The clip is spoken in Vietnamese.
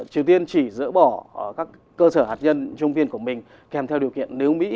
triều tiên chỉ dỡ bỏ các cơ sở hạt nhân trung viên của mình kèm theo điều kiện nếu mỹ